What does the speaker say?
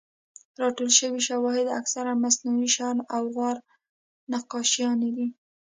راټول شوي شواهد اکثراً مصنوعي شیان او غار نقاشیانې دي.